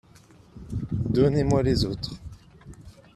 Donnez-moi les autres.